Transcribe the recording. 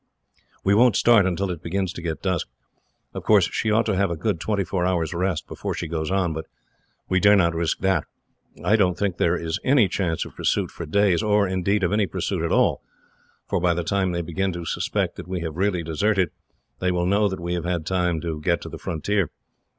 "We won't start until it begins to get dusk. Of course, she ought to have a good twenty four hours' rest, before she goes on, but we dare not risk that. I don't think there is any chance of pursuit for days; or, indeed, of any pursuit at all, for by the time they begin to suspect that we have really deserted, they will know that we have had time to get to the frontier.